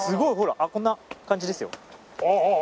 あっこんな感じですよ。